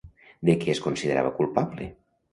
De què es considerava culpable?